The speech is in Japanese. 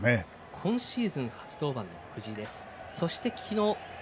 今シーズン初登板の藤井。